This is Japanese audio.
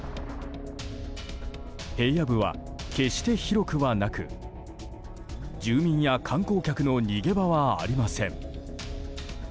平野部は決して広くはなく住民や観光客の逃げ場はありません。